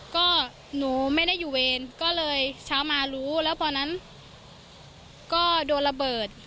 ก็หนูไม่ได้อยู่เวรก็เลยเช้ามารู้แล้วพอนั้นก็โดนระเบิด